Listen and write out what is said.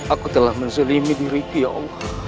aku telah menzerimi diriku ya allah